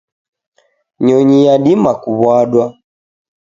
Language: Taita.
Nyonyi yadima kuwadwa